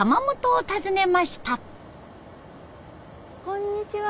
こんにちは。